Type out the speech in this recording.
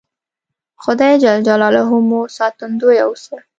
خدای ج مو ساتندویه اوسه